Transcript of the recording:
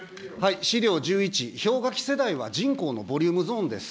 資料１１、氷河期世代は人口のボリュームゾーンです。